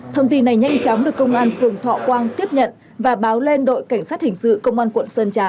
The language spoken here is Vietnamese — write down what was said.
thông tin này nhanh chóng được công an phường thọ quang tiếp nhận và báo lên đội cảnh sát hình sự công an quận sơn trà